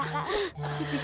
nah nah nah